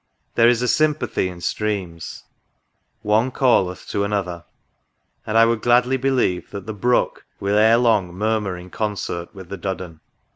. There is a sympathy in streams, " one calleth to another ;" and, I would gladly believe, that " Tlie Brook" will, ere POSTSCRIPT. 39 long, murmur in concert with " The Duddon."